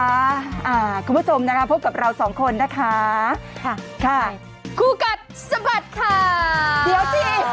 อ่าคุณผู้ชมนะคะพบกับเราสองคนนะคะค่ะคุกัดสบดค่าร์ด